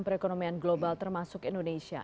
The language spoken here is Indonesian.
perekonomian global termasuk indonesia